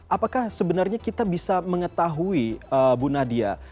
apakah sebenarnya kita bisa mengetahui bu nadia